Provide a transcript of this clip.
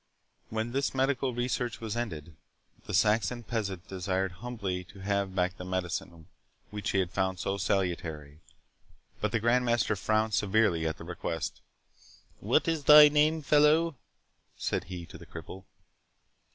When this medical research was ended, the Saxon peasant desired humbly to have back the medicine which he had found so salutary; but the Grand Master frowned severely at the request. "What is thy name, fellow?" said he to the cripple.